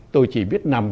tôi chỉ biết nằm